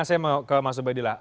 saya mau ke mas ubaidillah